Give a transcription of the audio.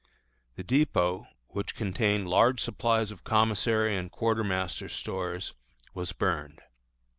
The dépôt, which contained large supplies of commissary and quartermaster stores, was burned.